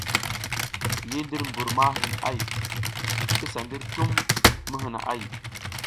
Yi ndir bur ma hin ay,i sa ndir tum mi hina ‘ay.